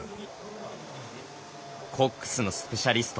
コックスのスペシャリスト